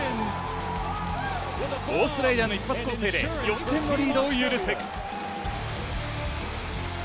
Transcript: オーストラリアの一発攻勢で４点のリードを許す。